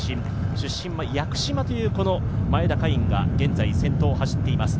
出身は屋久島という前田海音が現在、先頭を走っています。